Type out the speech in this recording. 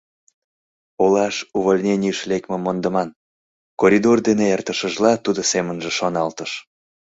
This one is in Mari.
Олаш увольненийыш лекмым мондыман», — коридор дене эртышыжла, тудо семынже шоналтыш.